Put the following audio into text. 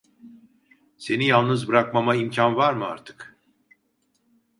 Seni yalnız bırakmama imkan var mı artık…